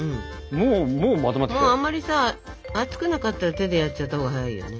もうあんまりさ熱くなかったら手でやっちゃったほうが早いよね。